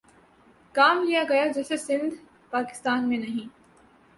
کام لیا گیا جیسے سندھ پاکستان میں نہیں